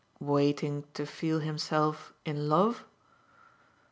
"Waiting to feel himself in love?"